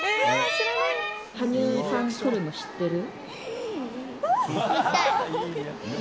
羽生さん、来るの知ってる？